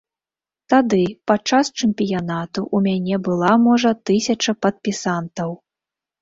Тады, падчас чэмпіянату, у мяне была, можа, тысяча падпісантаў.